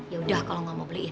yaudah kalau gak mau beliin